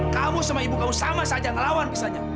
kamu sama ibu kamu sama saja ngelawan misalnya